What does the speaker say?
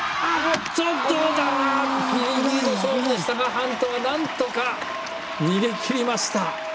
ハントがなんとか逃げきりました。